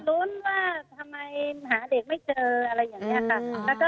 รุ้นว่าทำไมหาเด็กไม่เจออะไรอย่างนี้ค่ะ